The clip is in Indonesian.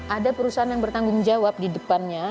ada perusahaan yang bertanggung jawab di depannya